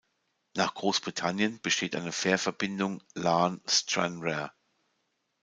Nach Großbritannien besteht eine Fährverbindung Larne–Stranraer.